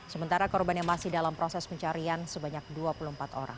sementara korban yang masih dalam proses pencarian sebanyak dua puluh empat orang